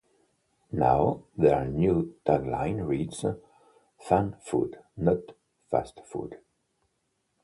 Now, their new tagline reads, "Fan Food, not Fast Food".